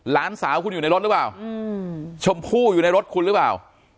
หลานสาวคุณอยู่ในรถหรือเปล่าชมพู่อยู่ในรถคุณหรือเปล่า